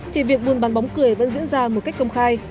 thì việc buôn bán bóng cười vẫn diễn ra một cách công khai